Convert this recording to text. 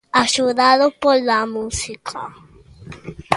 Axudado pola música.